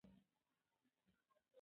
صفوي شاهانو خپل زامن په خپله ړانده کړل.